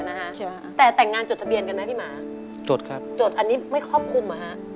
นะฮะแต่แต่งงานจดทะเบียนกันไหมพี่หมาจดครับจดอันนี้ไม่ครอบคลุมอ่ะฮะ